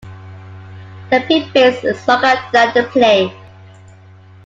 The preface is longer than the play.